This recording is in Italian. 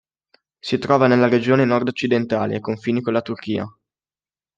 Si trova nella regione nord-occidentale, ai confini con la Turchia.